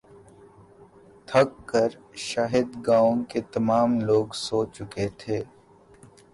تھک کر شاید گاؤں کے تمام لوگ سو چکے تھے